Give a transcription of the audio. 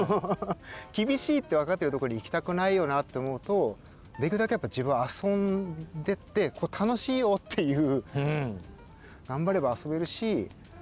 厳しいって分かってるところに行きたくないよなって思うとできるだけ自分は遊んでて楽しいよっていう。